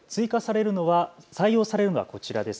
採用されるのはこちらです。